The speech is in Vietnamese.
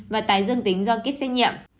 và tái dương tính do kết xét nhiệm